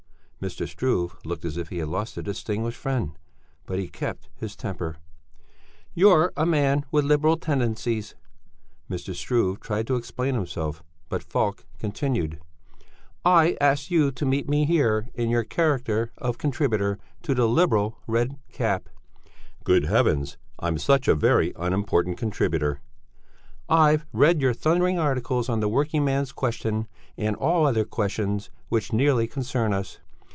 Mr. Struve looked as if he had lost a distinguished friend, but he kept his temper. "You're a man with liberal tendencies...." Mr. Struve tried to explain himself, but Falk continued: "I asked you to meet me here in your character of contributor to the liberal Red Cap." "Good heavens! I'm such a very unimportant contributor...." "I've read your thundering articles on the working man's question, and all other questions which nearly concern us.